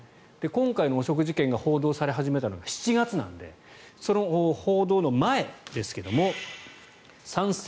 今回の汚職事件が報道され始めたのが７月なのでその報道の前ですが賛成